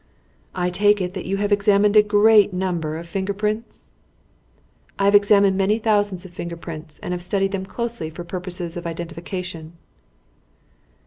"I take it that you have examined a great number of finger prints?" "I have examined many thousands of finger prints, and have studied them closely for purposes of identification."